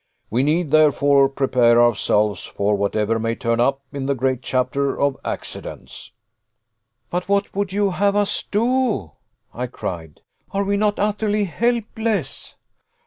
We need, therefore, prepare ourselves for whatever may turn up in the great chapter of accidents." "But what would you have us do?" I cried. "Are we not utterly helpless?"